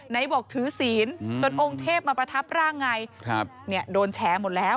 ไหนบอกถือศีลจนองค์เทพมาประทับร่างไงโดนแฉหมดแล้ว